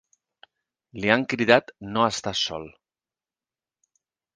Li han cridat ‘no estàs sol’.